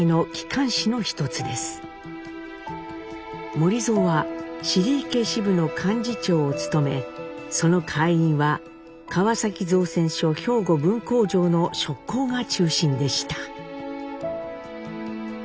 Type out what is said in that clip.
守造は尻池支部の幹事長を務めその会員は川崎造船所兵庫分工場の職工が中心でした。